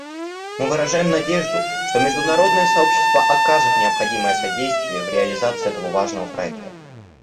Мы выражаем надежду, что международное сообщество окажет необходимое содействие в реализации этого важного проекта.